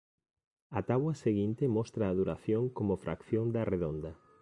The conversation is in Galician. A táboa seguinte mostra a duración como fracción da redonda.